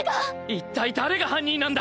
一体誰が犯人なんだ？